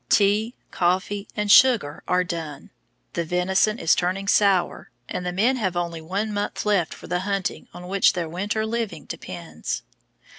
Tea, coffee, and sugar are done, the venison is turning sour, and the men have only one month left for the hunting on which their winter living depends.